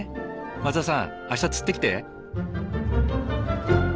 松田さんあした釣ってきて。